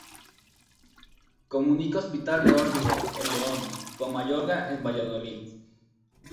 Comunica Hospital de Órbigo, en León, con Mayorga, en Valladolid.